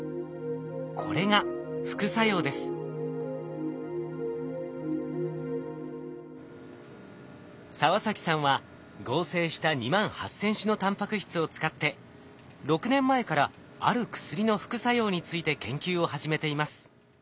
これが澤崎さんは合成した２万８，０００種のタンパク質を使って６年前からある薬の副作用について研究を始めています。